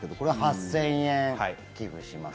８０００円寄付します。